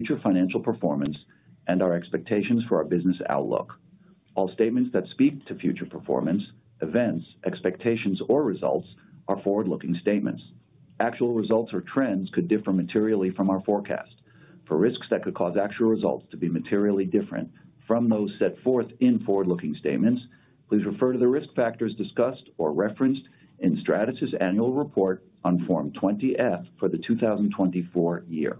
Future financial performance and our expectations for our business outlook. All statements that speak to future performance, events, expectations, or results are forward-looking statements. Actual results or trends could differ materially from our forecast. For risks that could cause actual results to be materially different from those set forth in forward-looking statements, please refer to the risk factors discussed or referenced in Stratasys' annual report on Form 20-F for the 2024 year.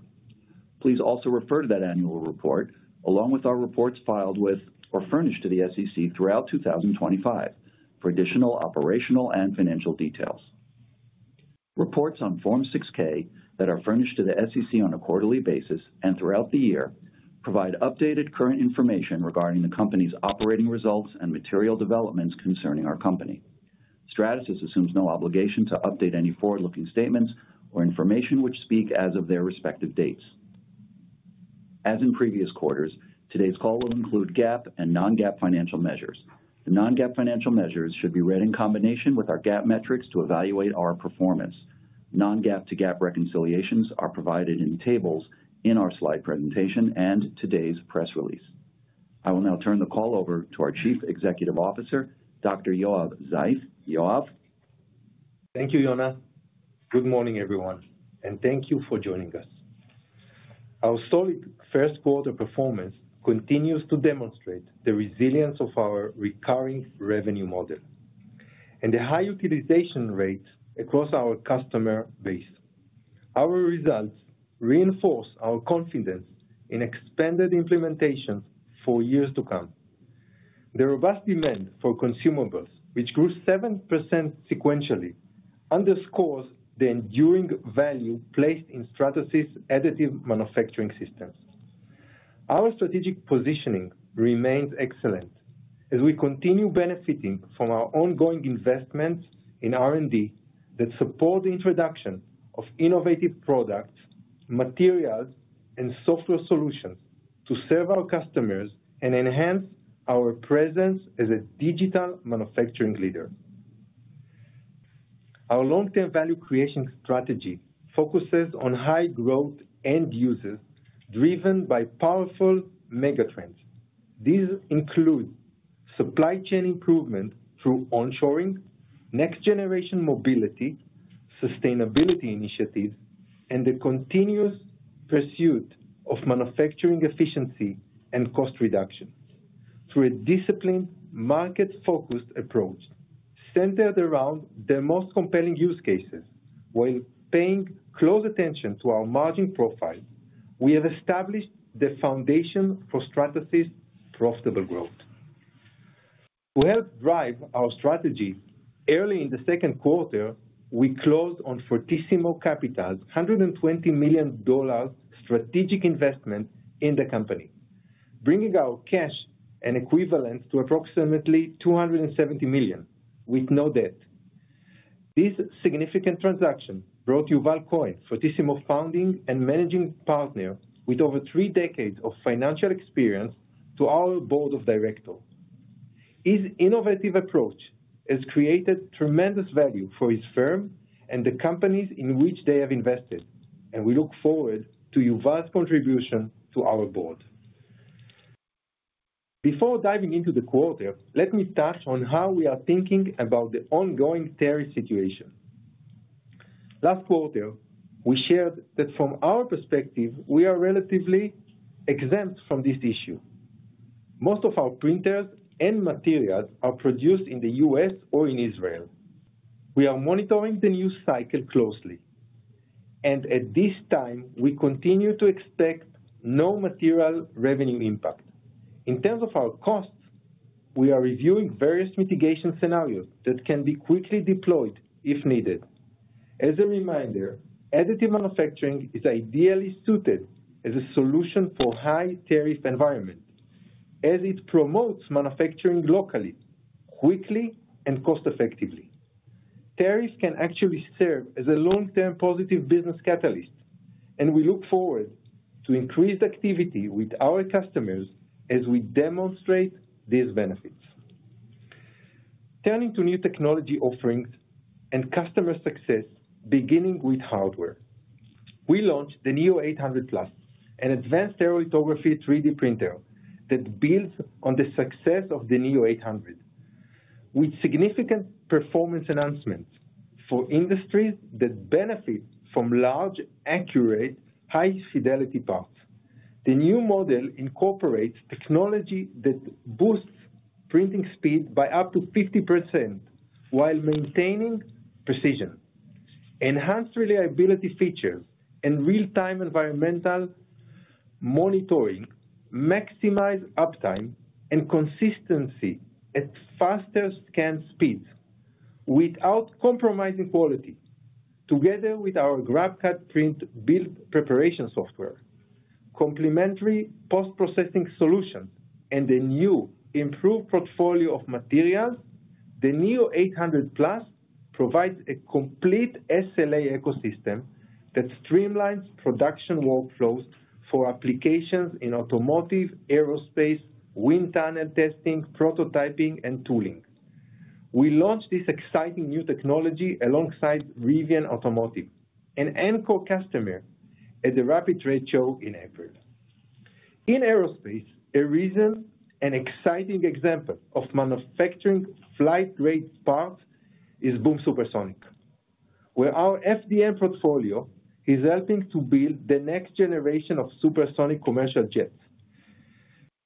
Please also refer to that annual report, along with our reports filed with or furnished to the SEC throughout 2025, for additional operational and financial details. Reports on Form 6-K that are furnished to the SEC on a quarterly basis and throughout the year provide updated current information regarding the company's operating results and material developments concerning our company. Stratasys assumes no obligation to update any forward-looking statements or information which speak as of their respective dates. As in previous quarters, today's call will include GAAP and non-GAAP financial measures. The non-GAAP financial measures should be read in combination with our GAAP metrics to evaluate our performance. Non-GAAP to GAAP reconciliations are provided in tables in our slide presentation and today's press release. I will now turn the call over to our Chief Executive Officer, Dr. Yoav Zeif. Yoav. Thank you, Yonah. Good morning, everyone, and thank you for joining us. Our solid first-quarter performance continues to demonstrate the resilience of our recurring revenue model and the high utilization rate across our customer base. Our results reinforce our confidence in expanded implementations for years to come. The robust demand for consumables, which grew 7% sequentially, underscores the enduring value placed in Stratasys' additive manufacturing systems. Our strategic positioning remains excellent as we continue benefiting from our ongoing investments in R&D that support the introduction of innovative products, materials, and software solutions to serve our customers and enhance our presence as a digital manufacturing leader. Our long-term value creation strategy focuses on high-growth end users driven by powerful megatrends. These include supply chain improvement through onshoring, next-generation mobility, sustainability initiatives, and the continuous pursuit of manufacturing efficiency and cost reduction. Through a disciplined, market-focused approach centered around the most compelling use cases, while paying close attention to our margin profiles, we have established the foundation for Stratasys' profitable growth. To help drive our strategy, early in the second quarter, we closed on Fortissimo Capital's $120 million strategic investment in the company, bringing our cash and equivalents to approximately $270 million with no debt. This significant transaction brought Yuval Cohen, Fortissimo's founding and managing partner with over three decades of financial experience, to our board of directors. His innovative approach has created tremendous value for his firm and the companies in which they have invested, and we look forward to Yuval's contribution to our board. Before diving into the quarter, let me touch on how we are thinking about the ongoing tariff situation. Last quarter, we shared that from our perspective, we are relatively exempt from this issue. Most of our printers and materials are produced in the U.S. or in Israel. We are monitoring the news cycle closely, and at this time, we continue to expect no material revenue impact. In terms of our costs, we are reviewing various mitigation scenarios that can be quickly deployed if needed. As a reminder, additive manufacturing is ideally suited as a solution for a high-tariff environment, as it promotes manufacturing locally quickly and cost-effectively. Tariffs can actually serve as a long-term positive business catalyst, and we look forward to increased activity with our customers as we demonstrate these benefits. Turning to new technology offerings and customer success, beginning with hardware, we launched the Neo 800 Plus, an advanced aero-lithography 3D printer that builds on the success of the Neo 800, with significant performance enhancements for industries that benefit from large, accurate, high-fidelity parts. The new model incorporates technology that boosts printing speed by up to 50% while maintaining precision. Enhanced reliability features and real-time environmental monitoring maximize uptime and consistency at faster scan speeds without compromising quality. Together with our GrabCAD Print build preparation software, complementary post-processing solutions, and the new improved portfolio of materials, the Neo 800 Plus provides a complete SLA ecosystem that streamlines production workflows for applications in automotive, aerospace, wind tunnel testing, prototyping, and tooling. We launched this exciting new technology alongside Rivian Automotive, an Encore customer, at the RapidRaid show in April. In aerospace, a recent and exciting example of manufacturing flight-grade parts is Boom Supersonic, where our FDM portfolio is helping to build the next generation of supersonic commercial jets.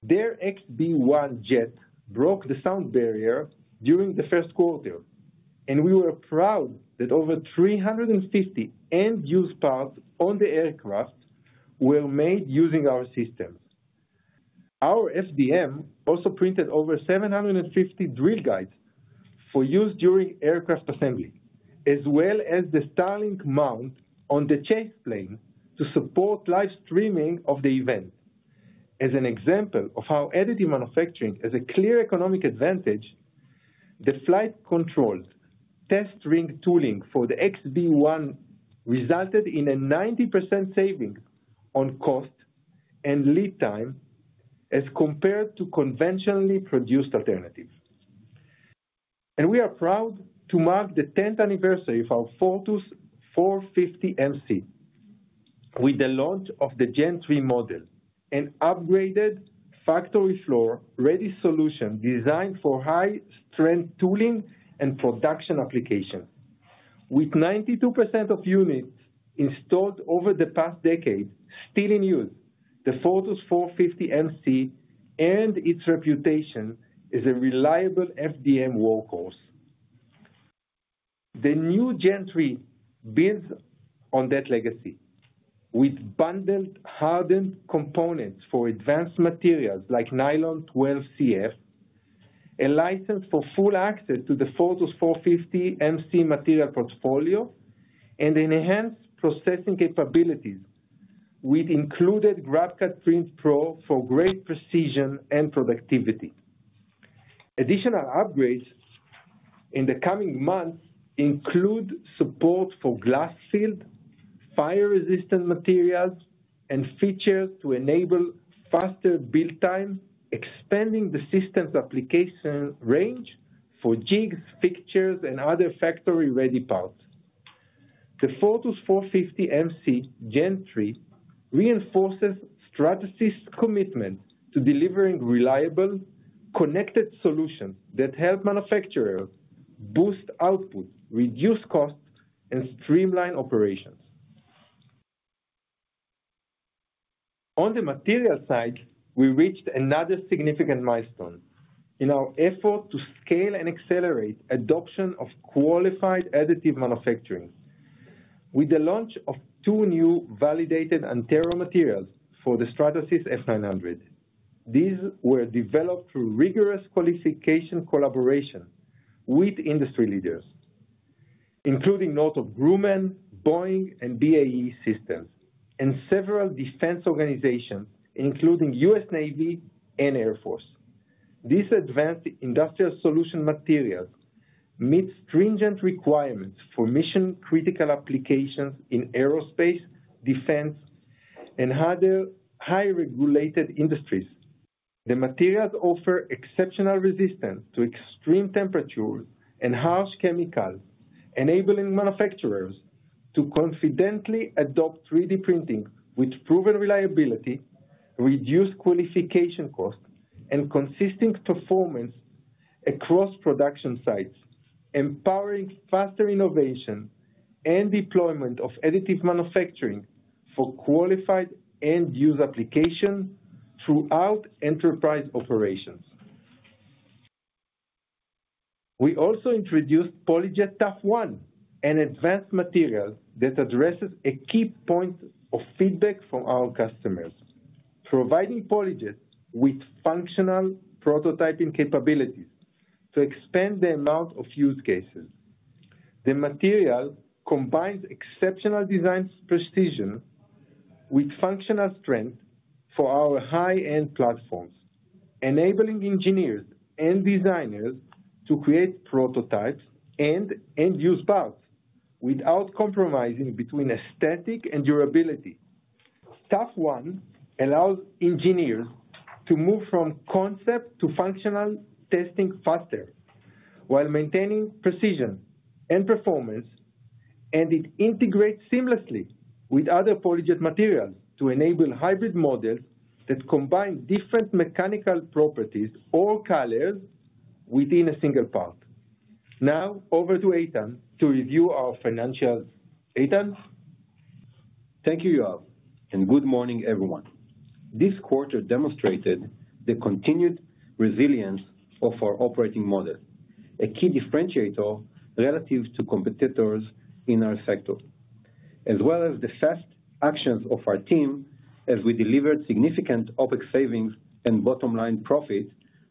Their XB-1 jet broke the sound barrier during the first quarter, and we were proud that over 350 end-use parts on the aircraft were made using our systems. Our FDM also printed over 750 drill guides for use during aircraft assembly, as well as the Starlink mount on the chase plane to support live streaming of the event. As an example of how additive manufacturing has a clear economic advantage, the flight-controlled test ring tooling for the XB-1 resulted in a 90% saving on cost and lead time as compared to conventionally produced alternatives. We are proud to mark the 10th anniversary of our Fortus 450 MC with the launch of the Gen 3 model, an upgraded factory-floor-ready solution designed for high-strength tooling and production applications. With 92% of units installed over the past decade, still in use, the Fortus 450 MC earned its reputation as a reliable FDM workhorse. The new Gen 3 builds on that legacy with bundled hardened components for advanced materials like nylon 12 CF, a license for full access to the Fortus 450 MC material portfolio, and enhanced processing capabilities with included GrabCAD Print Pro for great precision and productivity. Additional upgrades in the coming months include support for glass-filled, fire-resistant materials and features to enable faster build time, expanding the system's application range for jigs, fixtures, and other factory-ready parts. The Fortus 450 MC Gen 3 reinforces Stratasys' commitment to delivering reliable, connected solutions that help manufacturers boost output, reduce costs, and streamline operations. On the material side, we reached another significant milestone in our effort to scale and accelerate adoption of qualified additive manufacturing with the launch of two new validated Antero Materials for the Stratasys F900. These were developed through rigorous qualification collaboration with industry leaders, including Northrop Grumman, Boeing, and BAE Systems, and several defense organizations, including the US Navy and Air Force. These advanced industrial solution materials meet stringent requirements for mission-critical applications in aerospace, defense, and other highly regulated industries. The materials offer exceptional resistance to extreme temperatures and harsh chemicals, enabling manufacturers to confidently adopt 3D printing with proven reliability, reduced qualification costs, and consistent performance across production sites, empowering faster innovation and deployment of additive manufacturing for qualified end-use applications throughout enterprise operations. We also introduced PolyJet Tap One, an advanced material that addresses a key point of feedback from our customers, providing PolyJet with functional prototyping capabilities to expand the amount of use cases. The material combines exceptional design precision with functional strength for our high-end platforms, enabling engineers and designers to create prototypes and end-use parts without compromising between aesthetic and durability. Tap One allows engineers to move from concept to functional testing faster while maintaining precision and performance, and it integrates seamlessly with other PolyJet materials to enable hybrid models that combine different mechanical properties or colors within a single part. Now, over to Eitan to review our financials. Eitan, thank you, Yoav, and good morning, everyone. This quarter demonstrated the continued resilience of our operating model, a key differentiator relative to competitors in our sector, as well as the fast actions of our team as we delivered significant OPEX savings and bottom-line profit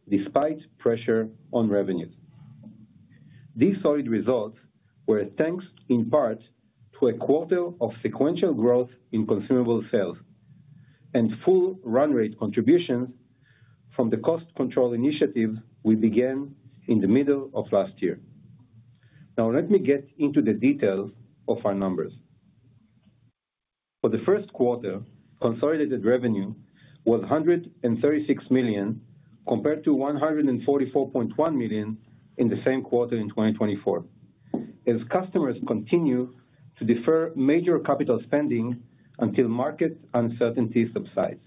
despite pressure on revenues. These solid results were thanks in part to a quarter of sequential growth in consumable sales and full run-rate contributions from the cost control initiatives we began in the middle of last year. Now, let me get into the details of our numbers. For the first quarter, consolidated revenue was $136 million compared to $144.1 million in the same quarter in 2024, as customers continue to defer major capital spending until market uncertainty subsides.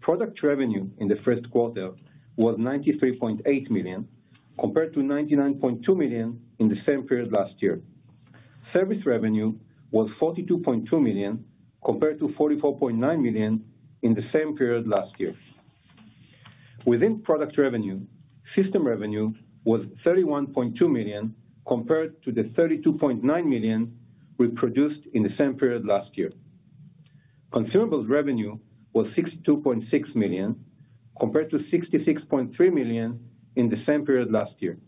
Product revenue in the first quarter was $93.8 million compared to $99.2 million in the same period last year. Service revenue was $42.2 million compared to $44.9 million in the same period last year. Within product revenue, system revenue was $31.2 million compared to the $32.9 million we produced in the same period last year. Consumables revenue was $62.6 million compared to $66.3 million in the same period last year.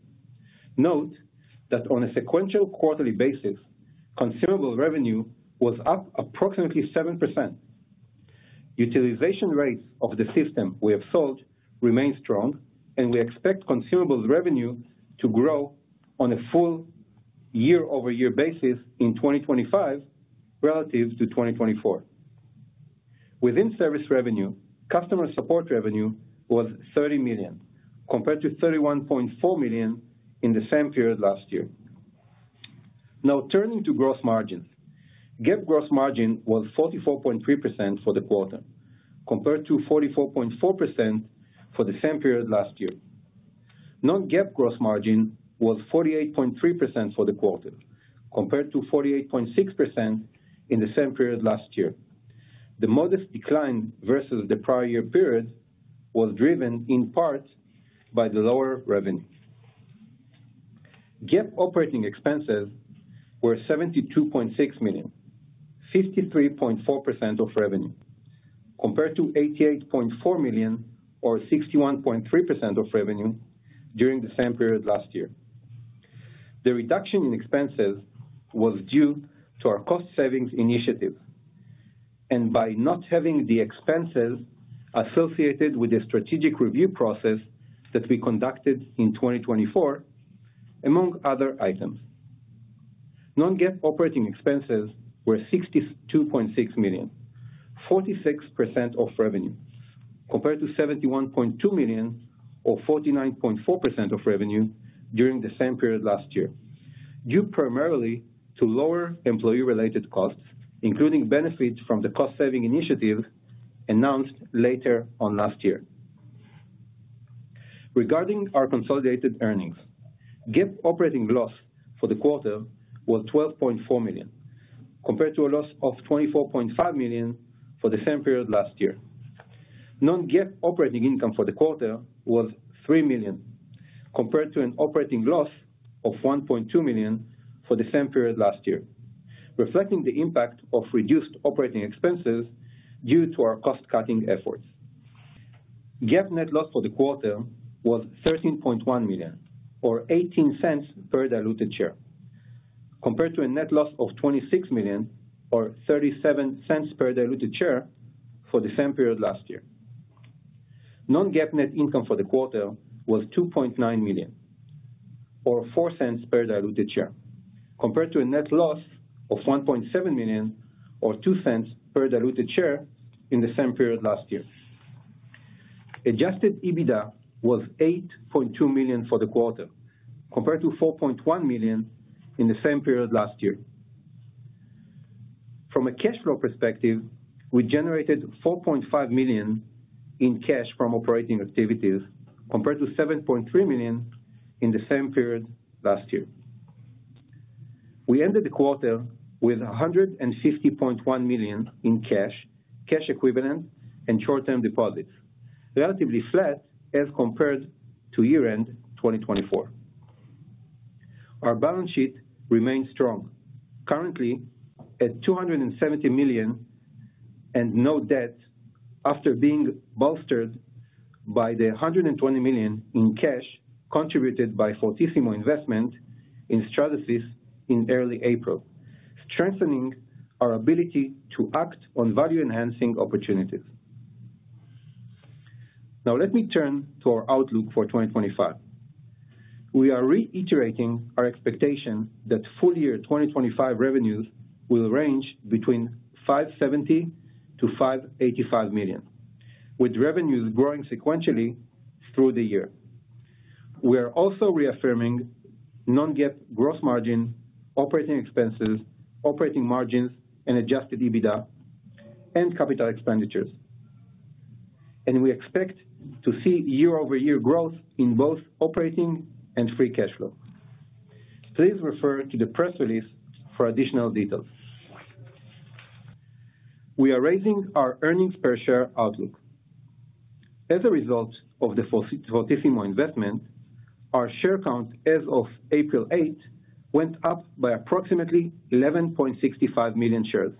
Note that on a sequential quarterly basis, consumable revenue was up approximately 7%. Utilization rates of the system we have sold remain strong, and we expect consumables revenue to grow on a full year-over-year basis in 2025 relative to 2024. Within service revenue, customer support revenue was $30 million compared to $31.4 million in the same period last year. Now, turning to gross margins, GAAP gross margin was 44.3% for the quarter compared to 44.4% for the same period last year. Non-GAAP gross margin was 48.3% for the quarter compared to 48.6% in the same period last year. The modest decline versus the prior year period was driven in part by the lower revenue. GAAP operating expenses were $72.6 million, 53.4% of revenue, compared to $88.4 million or 61.3% of revenue during the same period last year. The reduction in expenses was due to our cost savings initiative and by not having the expenses associated with the strategic review process that we conducted in 2024, among other items. Non-GAAP operating expenses were $62.6 million, 46% of revenue, compared to $71.2 million or 49.4% of revenue during the same period last year, due primarily to lower employee-related costs, including benefits from the cost-saving initiatives announced later on last year. Regarding our consolidated earnings, GAAP operating loss for the quarter was $12.4 million compared to a loss of $24.5 million for the same period last year. Non-GAAP operating income for the quarter was $3 million compared to an operating loss of $1.2 million for the same period last year, reflecting the impact of reduced operating expenses due to our cost-cutting efforts. GAAP net loss for the quarter was $13.1 million or $0.18 per diluted share, compared to a net loss of $26 million or $0.37 per diluted share for the same period last year. Non-GAAP net income for the quarter was $2.9 million or $0.04 per diluted share, compared to a net loss of $1.7 million or $0.02 per diluted share in the same period last year. Adjusted EBITDA was $8.2 million for the quarter, compared to $4.1 million in the same period last year. From a cash flow perspective, we generated $4.5 million in cash from operating activities, compared to $7.3 million in the same period last year. We ended the quarter with $150.1 million in cash, cash equivalent, and short-term deposits, relatively flat as compared to year-end 2024. Our balance sheet remained strong, currently at $270 million and no debt after being bolstered by the $120 million in cash contributed by Fortissimo Capital in Stratasys in early April, strengthening our ability to act on value-enhancing opportunities. Now, let me turn to our outlook for 2025. We are reiterating our expectation that full-year 2025 revenues will range between $570 million-$585 million, with revenues growing sequentially through the year. We are also reaffirming non-GAAP gross margin, operating expenses, operating margins, adjusted EBITDA, and capital expenditures. We expect to see year-over-year growth in both operating and free cash flow. Please refer to the press release for additional details. We are raising our earnings per share outlook. As a result of the Fortissimo Investment, our share count as of April 8 went up by approximately 11.65 million shares.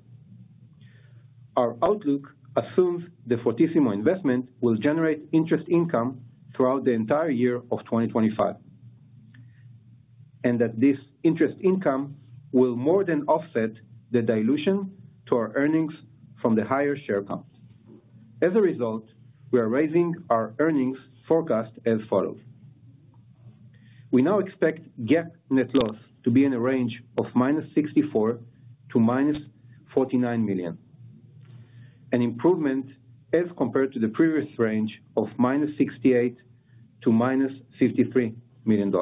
Our outlook assumes the Fortissimo Investment will generate interest income throughout the entire year of 2025, and that this interest income will more than offset the dilution to our earnings from the higher share count. As a result, we are raising our earnings forecast as follows. We now expect GAAP net loss to be in a range of $64-$49 million, an improvement as compared to the previous range of -$68 million to -$53 million.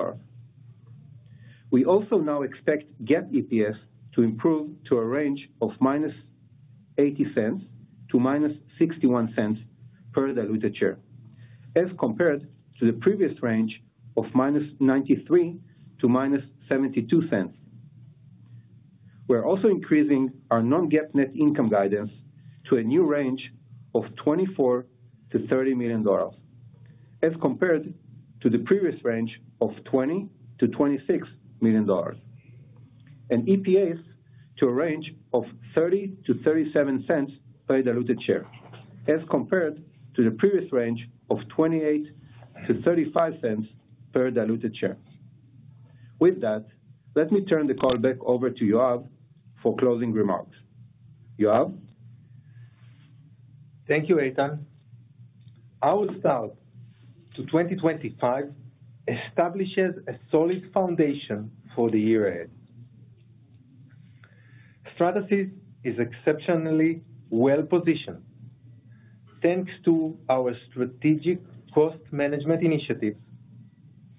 We also now expect GAAP EPS to improve to a range of- $0.80 to -$0.61 per diluted share, as compared to the previous range of -$0.93 to -$0.72. We are also increasing our non-GAAP net income guidance to a new range of $24 million-$30 million, as compared to the previous range of $20 million-$26 million, and EPS to a range of $0.30-$0.37 per diluted share, as compared to the previous range of $0.28-$0.35 per diluted share. With that, let me turn the call back over to Yoav for closing remarks. Yoav. Thank you, Eitan. Our start to 2025 establishes a solid foundation for the year ahead. Stratasys is exceptionally well-positioned, thanks to our strategic cost management initiatives,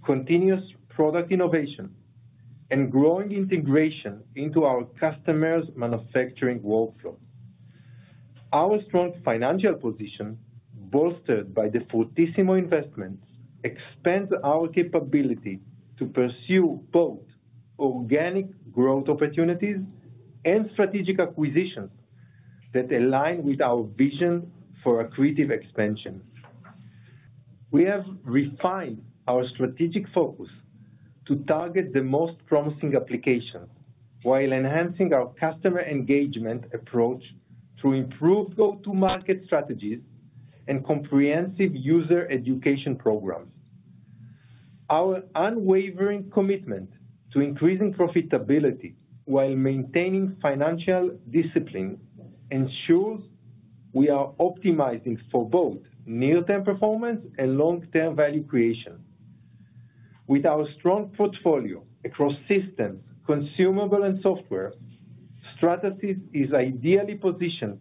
continuous product innovation, and growing integration into our customers' manufacturing workflow. Our strong financial position, bolstered by the Fortissimo Capital investments, expands our capability to pursue both organic growth opportunities and strategic acquisitions that align with our vision for accretive expansion. We have refined our strategic focus to target the most promising applications while enhancing our customer engagement approach through improved go-to-market strategies and comprehensive user education programs. Our unwavering commitment to increasing profitability while maintaining financial discipline ensures we are optimizing for both near-term performance and long-term value creation. With our strong portfolio across systems, consumable, and software, Stratasys is ideally positioned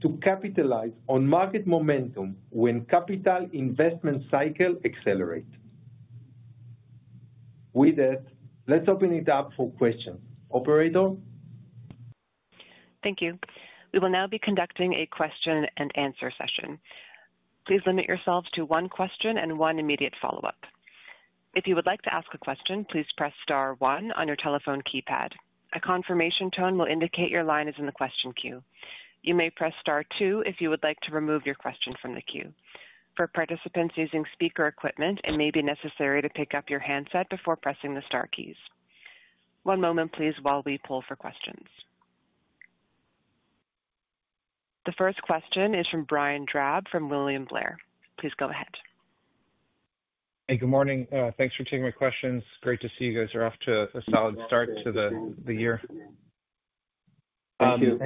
to capitalize on market momentum when capital investment cycles accelerate. With that, let's open it up for questions. Operator. Thank you. We will now be conducting a question-and-answer session. Please limit yourselves to one question and one immediate follow-up. If you would like to ask a question, please press star one on your telephone keypad. A confirmation tone will indicate your line is in the question queue. You may press star two if you would like to remove your question from the queue. For participants using speaker equipment, it may be necessary to pick up your handset before pressing the star keys. One moment, please, while we pull for questions. The first question is from Brian Drab from William Blair. Please go ahead. Hey, good morning. Thanks for taking my questions. Great to see you guys are off to a solid start to the year. Thank you.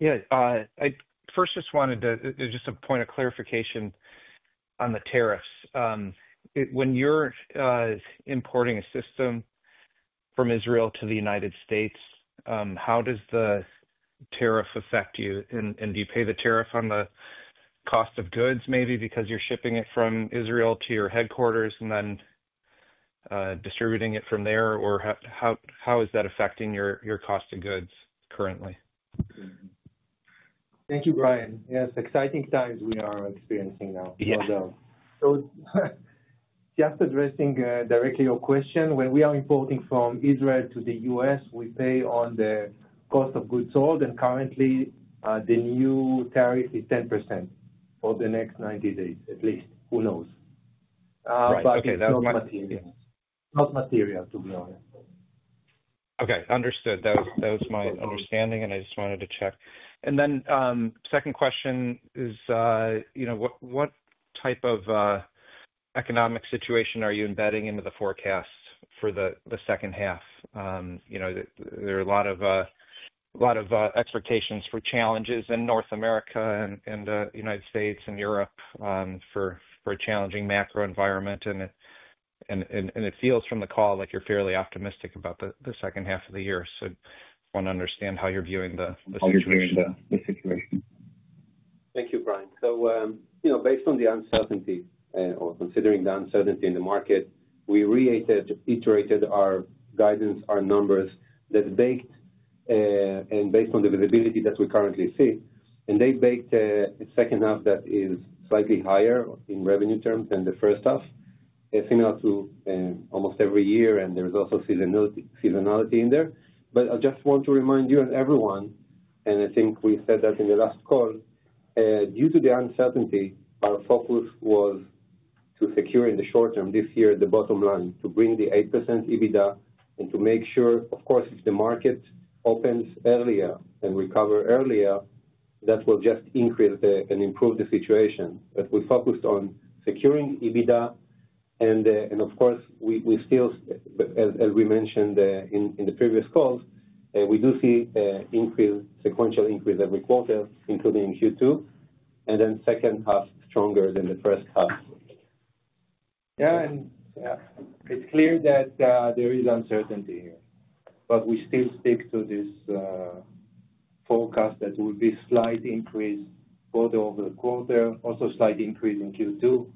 I just. Yeah. I first just wanted to just a point of clarification on the tariffs. When you're importing a system from Israel to the United States, how does the tariff affect you? And do you pay the tariff on the cost of goods, maybe because you're shipping it from Israel to your headquarters and then distributing it from there? Or how is that affecting your cost of goods currently? Thank you, Brian. Yes, exciting times we are experiencing now. Although. Just addressing directly your question, when we are importing from Israel to the U.S., we pay on the cost of goods sold. Currently, the new tariff is 10% for the next 90 days, at least. Who knows? Right. Okay. That is not material. Not material, to be honest. Okay. Understood. That was my understanding, and I just wanted to check. Second question is, what type of economic situation are you embedding into the forecast for the second half? There are a lot of expectations for challenges in North America and the United States and Europe for a challenging macro environment. It feels from the call like you're fairly optimistic about the second half of the year. I want to understand how you're viewing the situation. How we're viewing the situation. Thank you, Brian. Based on the uncertainty or considering the uncertainty in the market, we reiterated our guidance, our numbers that baked and based on the visibility that we currently see. They baked a second half that is slightly higher in revenue terms than the first half, similar to almost every year. There is also seasonality in there. I just want to remind you and everyone, and I think we said that in the last call, due to the uncertainty, our focus was to secure in the short term this year the bottom line to bring the 8% EBITDA and to make sure, of course, if the market opens earlier and recovers earlier, that will just increase and improve the situation. We focused on securing EBITDA. Of course, we still, as we mentioned in the previous calls, do see sequential increase every quarter, including Q2, and then second half stronger than the first half. Yeah. It is clear that there is uncertainty here, but we still stick to this forecast that will be a slight increase over the quarter, also a slight increase in Q2.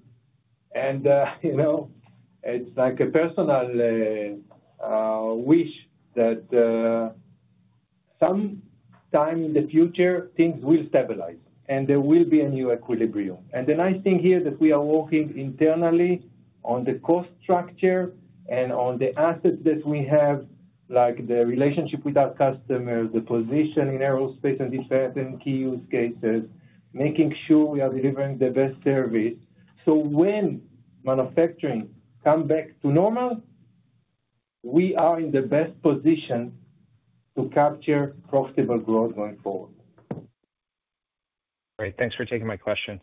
It is like a personal wish that sometime in the future, things will stabilize and there will be a new equilibrium. The nice thing here is that we are working internally on the cost structure and on the assets that we have, like the relationship with our customers, the position in aerospace and different key use cases, making sure we are delivering the best service. When manufacturing comes back to normal, we are in the best position to capture profitable growth going forward. Great. Thanks for taking my questions.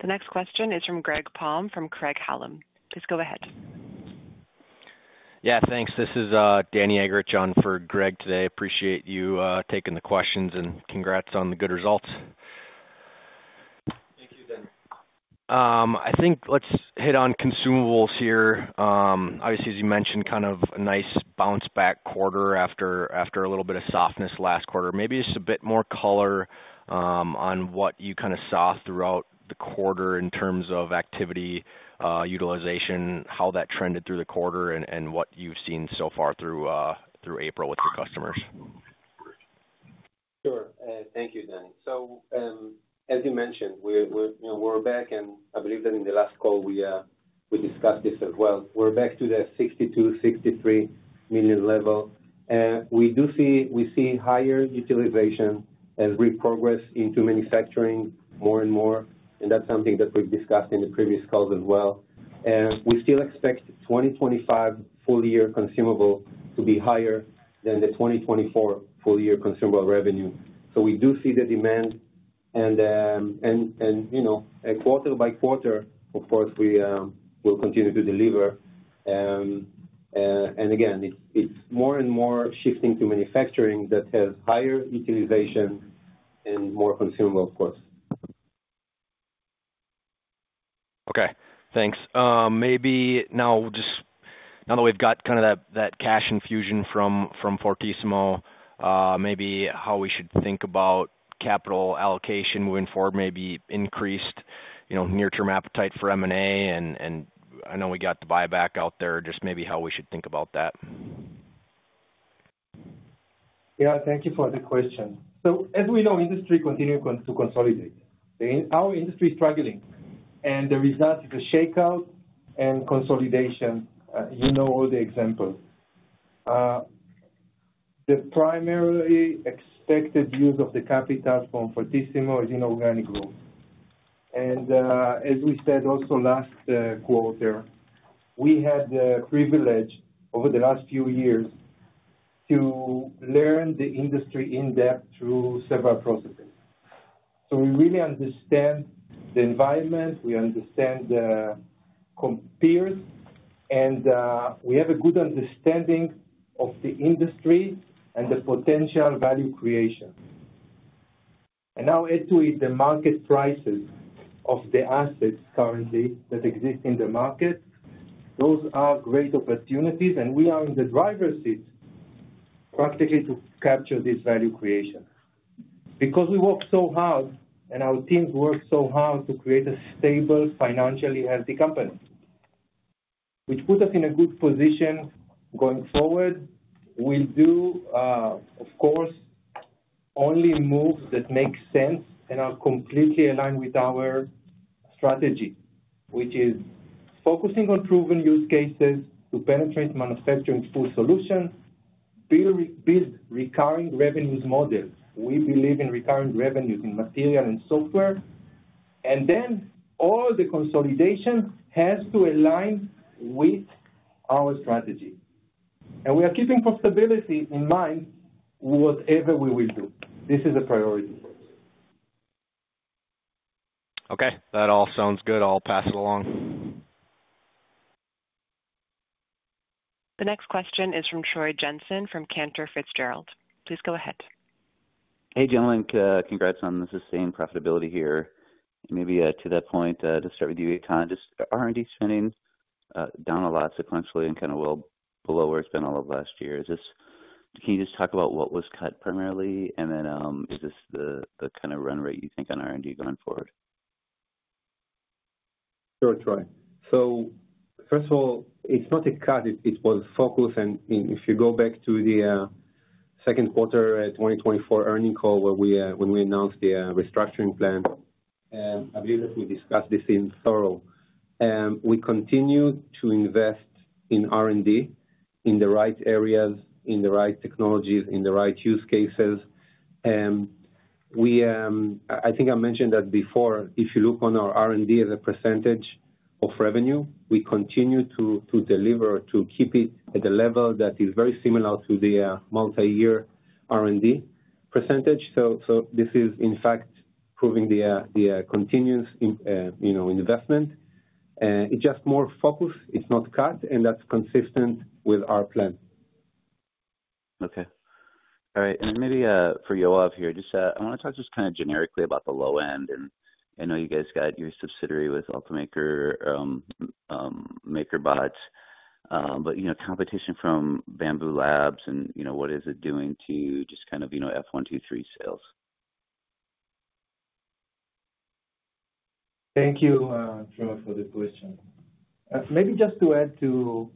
The next question is from Greg Palm from Craig-Hallum. Please go ahead. Yeah. Thanks. This is Danny Eggerichs on for Greg today. Appreciate you taking the questions and congrats on the good results. Thank you, Dan. I think let's hit on consumables here. Obviously, as you mentioned, kind of a nice bounce-back quarter after a little bit of softness last quarter. Maybe just a bit more color on what you kind of saw throughout the quarter in terms of activity utilization, how that trended through the quarter, and what you've seen so far through April with your customers. Sure. Thank you, Dan. As you mentioned, we're back. I believe that in the last call, we discussed this as well. We're back to the $62 million-$63 million level. We see higher utilization and progress into manufacturing more and more. That's something that we've discussed in the previous calls as well. We still expect 2025 full-year consumable to be higher than the 2024 full-year consumable revenue. We do see the demand. Quarter by quarter, of course, we will continue to deliver. It's more and more shifting to manufacturing that has higher utilization and more consumable, of course. Okay. Thanks. Maybe now, just now that we've got kind of that cash infusion from Fortissimo, maybe how we should think about capital allocation moving forward, maybe increased near-term appetite for M&A. I know we got the buyback out there. Just maybe how we should think about that. Yeah. Thank you for the question. As we know, industry continues to consolidate. Our industry is struggling. The result is a shakeout and consolidation. You know all the examples. The primarily expected use of the capital from Fortissimo is in organic growth. As we said also last quarter, we had the privilege over the last few years to learn the industry in-depth through several processes. We really understand the environment. We understand the peers. We have a good understanding of the industry and the potential value creation. Now, add to it the market prices of the assets currently that exist in the market. Those are great opportunities. We are in the driver's seat practically to capture this value creation because we work so hard and our teams work so hard to create a stable, financially healthy company, which puts us in a good position going forward. We'll do, of course, only moves that make sense and are completely aligned with our strategy, which is focusing on proven use cases to penetrate manufacturing full solutions, build recurring revenues models. We believe in recurring revenues in material and software. All the consolidation has to align with our strategy. We are keeping profitability in mind whatever we will do. This is a priority for us. Okay. That all sounds good. I'll pass it along. The next question is from Troy Jensen from Cantor Fitzgerald. Please go ahead. Hey, gentlemen. Congrats on the sustained profitability here. Maybe to that point, to start with you, Eitan, just R&D spending down a lot sequentially and kind of well below where it's been all of last year. Can you just talk about what was cut primarily? Is this the kind of run rate you think on R&D going forward? Sure, Troy. First of all, it's not a cut. It was focused. If you go back to the second quarter 2024 earnings call when we announced the restructuring plan, I believe that we discussed this in thorough. We continue to invest in R&D in the right areas, in the right technologies, in the right use cases. I think I mentioned that before. If you look on our R&D as a percentage of revenue, we continue to deliver to keep it at a level that is very similar to the multi-year R&D percentage. This is, in fact, proving the continuous investment. It's just more focused. It's not cut. That's consistent with our plan. Okay. All right. Maybe for Yoav here, I want to talk just kind of generically about the low end. I know you guys got your subsidiary with Ultimaker MakerBot, but competition from Bambu Labs and what is it doing to just kind of F123 sales? Thank you, Troy, for the question. Maybe just to add to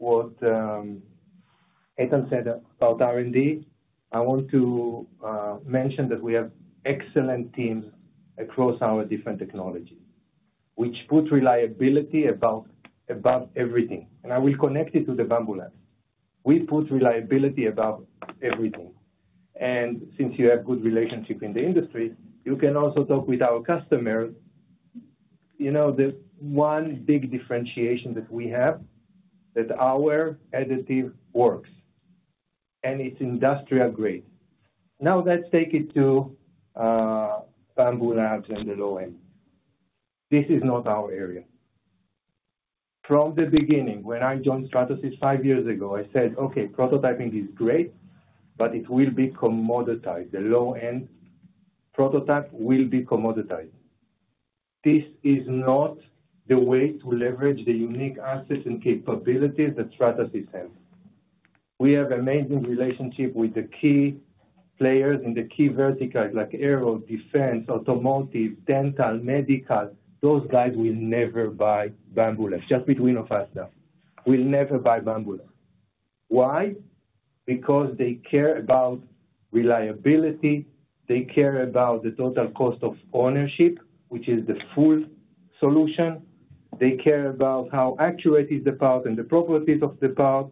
what Eitan said about R&D, I want to mention that we have excellent teams across our different technologies, which put reliability above everything. I will connect it to the Bambu Labs. We put reliability above everything. Since you have good relationships in the industry, you can also talk with our customers. The one big differentiation that we have is that our additive works, and it's industrial grade. Now, let's take it to Bambu Labs and the low end. This is not our area. From the beginning, when I joined Stratasys five years ago, I said, "Okay, prototyping is great, but it will be commoditized. The low-end prototype will be commoditized." This is not the way to leverage the unique assets and capabilities that Stratasys has. We have an amazing relationship with the key players in the key verticals like aerospace, defense, automotive, dental, medical. Those guys will never buy Bambu Labs. Just between us now, will never buy Bambu Labs. Why? Because they care about reliability. They care about the total cost of ownership, which is the full solution. They care about how accurate is the part and the properties of the part.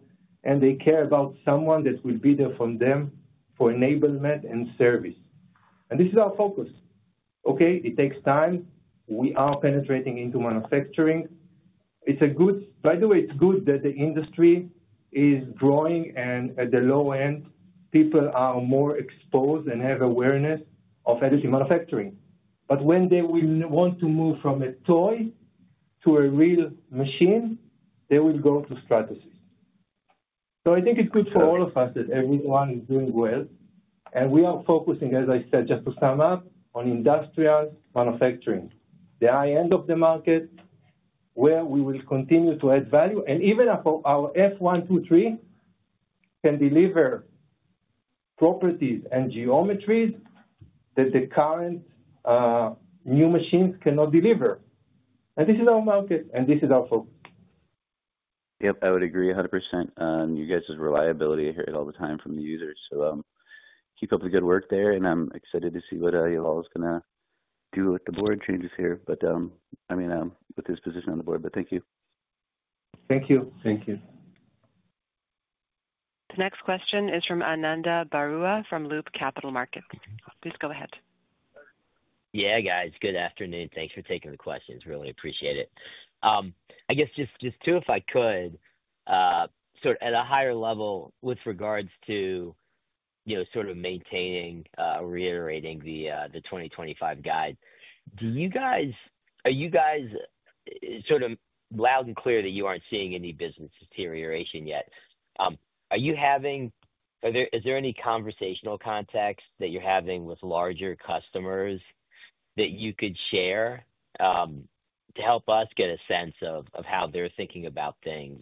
They care about someone that will be there for them for enablement and service. This is our focus. Okay? It takes time. We are penetrating into manufacturing. By the way, it's good that the industry is growing. At the low end, people are more exposed and have awareness of additive manufacturing. When they want to move from a toy to a real machine, they will go to Stratasys. I think it is good for all of us that everyone is doing well. We are focusing, as I said, just to sum up, on industrial manufacturing, the high end of the market where we will continue to add value. Even our F123 can deliver properties and geometries that the current new machines cannot deliver. This is our market, and this is our focus. Yep. I would agree 100%. You guys' reliability, I hear it all the time from the users. Keep up the good work there. I'm excited to see what Yoav is going to do with the board changes here, but I mean, with his position on the board. Thank you. Thank you. Thank you. The next question is from Ananda Baruah from Loop Capital Markets. Please go ahead. Yeah, guys. Good afternoon. Thanks for taking the questions. Really appreciate it. I guess just too, if I could, sort of at a higher level with regards to sort of maintaining or reiterating the 2025 guide, are you guys sort of loud and clear that you aren't seeing any business deterioration yet? Are you having—is there any conversational context that you're having with larger customers that you could share to help us get a sense of how they're thinking about things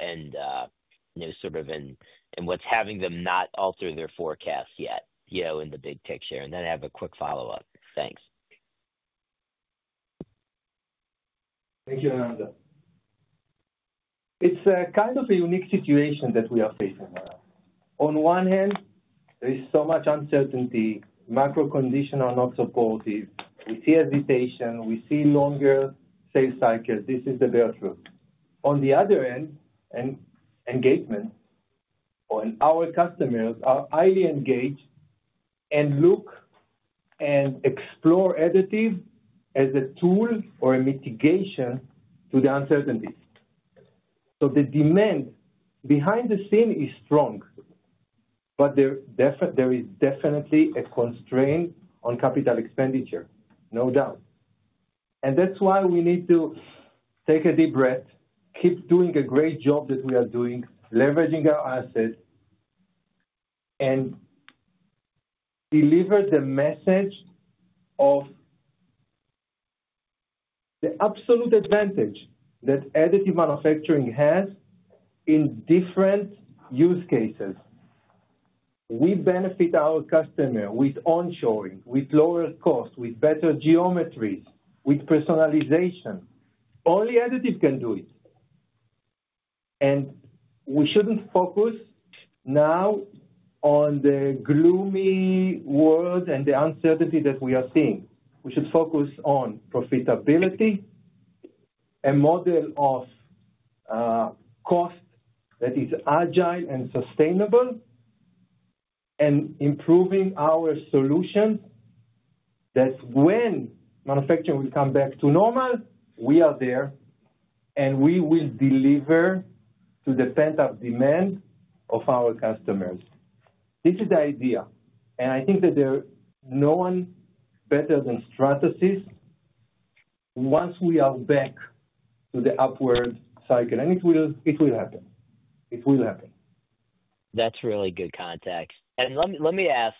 and sort of what's having them not alter their forecast yet in the big picture? I have a quick follow-up. Thanks. Thank you, Ananda. It's kind of a unique situation that we are facing now. On one hand, there is so much uncertainty. Macro conditions are not supportive. We see hesitation. We see longer sales cycles. This is the bare truth. On the other end, engagement. Our customers are highly engaged and look and explore additive as a tool or a mitigation to the uncertainties. So the demand behind the scene is strong, but there is definitely a constraint on capital expenditure, no doubt. That is why we need to take a deep breath, keep doing a great job that we are doing, leveraging our assets, and deliver the message of the absolute advantage that additive manufacturing has in different use cases. We benefit our customer with onshoring, with lower cost, with better geometries, with personalization. Only additive can do it. We should not focus now on the gloomy world and the uncertainty that we are seeing. We should focus on profitability, a model of cost that is agile and sustainable, and improving our solutions so that when manufacturing will come back to normal, we are there and we will deliver to the pent-up demand of our customers. This is the idea. I think that there is no one better than Stratasys once we are back to the upward cycle. It will happen. It will happen. That is really good context. Let me ask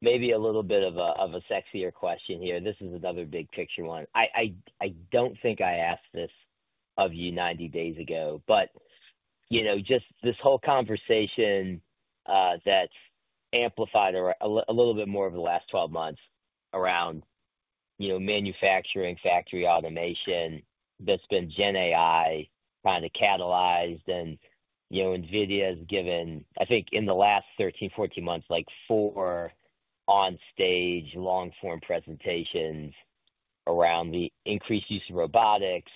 maybe a little bit of a sexier question here. This is another big picture one. I do not think I asked this of you 90 days ago, but just this whole conversation that has amplified a little bit more over the last 12 months around manufacturing, factory automation that has been Gen AI kind of catalyzed. NVIDIA has given, I think, in the last 13, 14 months, like four onstage long-form presentations around the increased use of robotics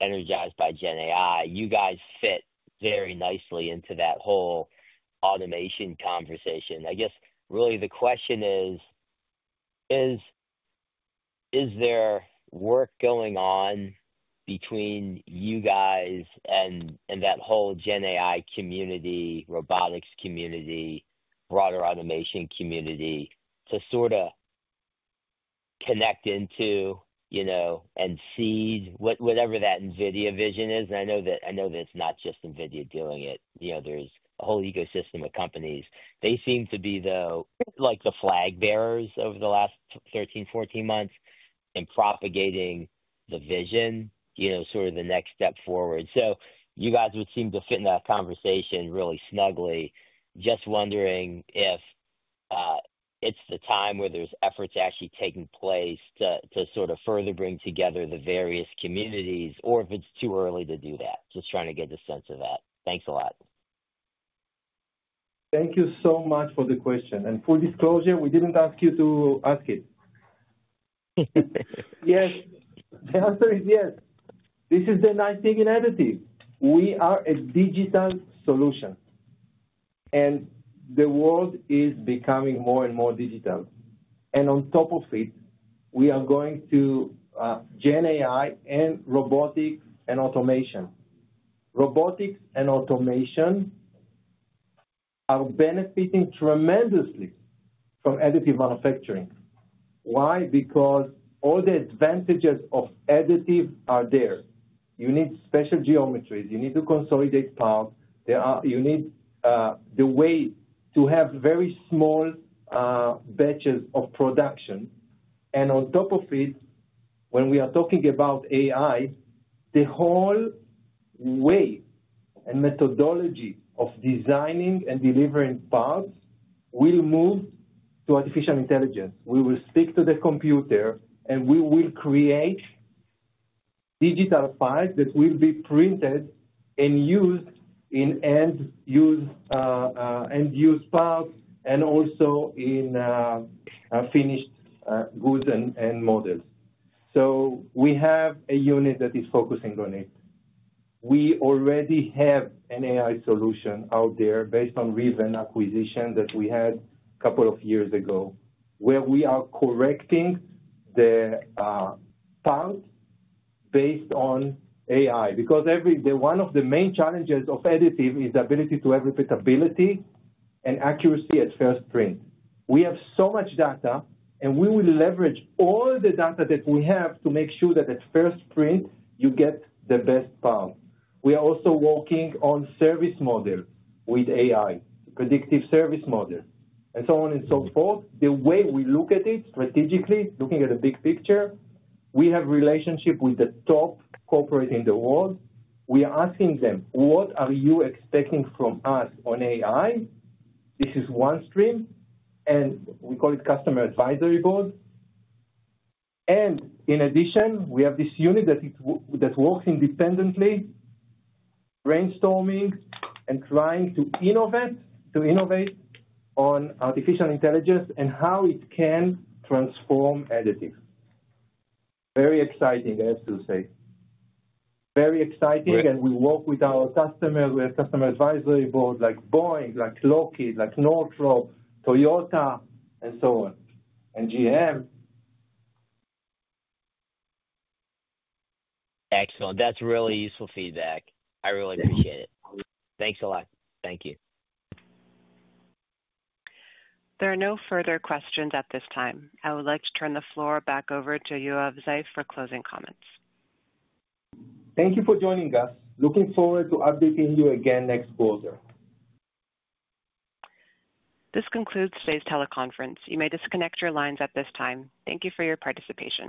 energized by Gen AI. You guys fit very nicely into that whole automation conversation. I guess really the question is, is there work going on between you guys and that whole Gen AI community, robotics community, broader automation community to sort of connect into and see whatever that NVIDIA vision is? I know that it's not just NVIDIA doing it. There's a whole ecosystem of companies. They seem to be, though, like the flag bearers over the last 13, 14 months in propagating the vision, sort of the next step forward. You guys would seem to fit in that conversation really snugly. Just wondering if it's the time where there's efforts actually taking place to sort of further bring together the various communities, or if it's too early to do that. Just trying to get a sense of that. Thanks a lot. Thank you so much for the question. Full disclosure, we didn't ask you to ask it. Yes. The answer is yes. This is the nice thing in additive. We are a digital solution. The world is becoming more and more digital. On top of it, we are going to Gen AI and robotics and automation. Robotics and automation are benefiting tremendously from additive manufacturing. Why? Because all the advantages of additive are there. You need special geometries. You need to consolidate parts. You need the way to have very small batches of production. On top of it, when we are talking about AI, the whole way and methodology of designing and delivering parts will move to artificial intelligence. We will speak to the computer, and we will create digital parts that will be printed and used in end-use parts and also in finished goods and models. We have a unit that is focusing on it. We already have an AI solution out there based on a recent acquisition that we had a couple of years ago where we are correcting the part based on AI. Because one of the main challenges of additive is the ability to have repeatability and accuracy at first print. We have so much data, and we will leverage all the data that we have to make sure that at first print, you get the best part. We are also working on service models with AI, predictive service models, and so on and so forth. The way we look at it strategically, looking at the big picture, we have a relationship with the top corporate in the world. We are asking them, "What are you expecting from us on AI?" This is one stream. We call it Customer Advisory Board. In addition, we have this unit that works independently, brainstorming, and trying to innovate on artificial intelligence and how it can transform additive. Very exciting, I have to say. Very exciting. We work with our customers. We have Customer Advisory Board like Boeing, like Lockheed, like Northrop, Toyota, and so on, and GM. Excellent. That's really useful feedback. I really appreciate it. Thanks a lot. Thank you. There are no further questions at this time. I would like to turn the floor back over to Yoav Zeif for closing comments. Thank you for joining us. Looking forward to updating you again next quarter. This concludes today's teleconference. You may disconnect your lines at this time. Thank you for your participation.